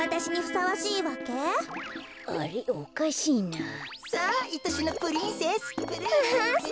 さあいとしのプリンセス。